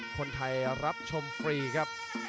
คนไทยรับชมฟรีครับ